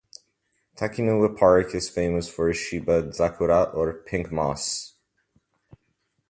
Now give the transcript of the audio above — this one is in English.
Takinoue Park is famous for Shibazakura or Pink Moss.